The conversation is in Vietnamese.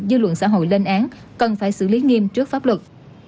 dư luận xã hội lên án cần phải xử lý nghiêm trước pháp luật